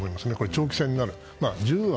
長期戦になる。